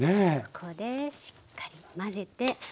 ここでしっかり混ぜて。